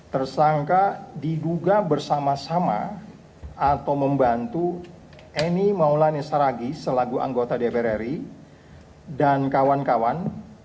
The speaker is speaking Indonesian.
tersangka diduga bersama sama atau membantu eni maulani saragi selaku anggota dpr ri dan kawan kawan